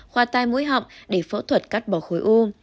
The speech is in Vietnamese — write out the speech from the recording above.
khoa tai mũi họng để phẫu thuật cắt bỏ khối u